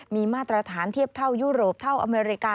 มีมาตรฐานเทียบเท่ายุโรปเท่าอเมริกา